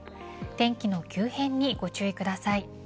天気の急変にご注意ください。